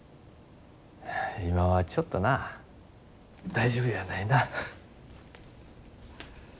今はちょっとな大丈夫やないな。